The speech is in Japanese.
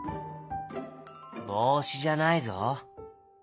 「ぼうしじゃないぞ」。